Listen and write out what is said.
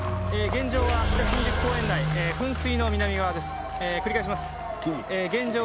現場は北新宿公園内噴水の南側。